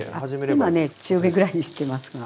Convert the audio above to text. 今ね中火ぐらいにしてますが。